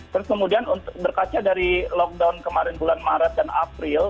terus kemudian berkaca dari lockdown kemarin bulan maret dan april